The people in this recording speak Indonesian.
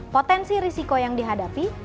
potensi risiko yang dihadapi